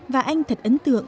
và anh thật ấn tượng